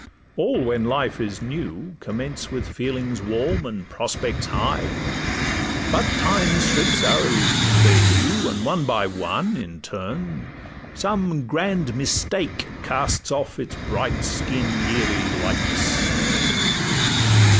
All, when life is new, Commence with feelings warm, and prospects high; But time strips our illusions of their hue, And one by one in turn, some grand mistake Casts off its bright skin yearly like the snake.